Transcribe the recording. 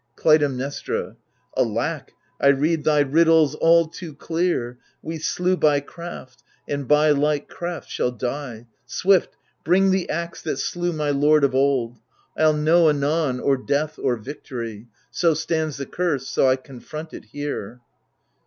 Clytemnestra Alack, I read thy riddles all too clear — We slew by craft and by like craft shall die. Swift, bring the axe that slew my lord of old ; ril know anon or death or victory — So stands the curse, so I confront it here.